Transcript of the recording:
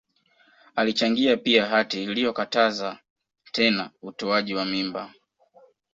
Alichangia pia hati iliyokataza tena utoaji wa mimba